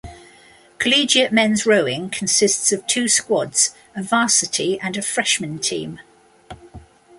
Collegiate men's rowing consists of two squads, a varsity and a freshman team.